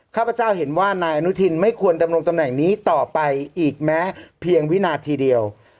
ข้าพเจ้าเห็นว่านายอนุทินไม่ควรดำรงตำแหน่งนี้ต่อไปอีกแม้เพียงวินาทีเดียว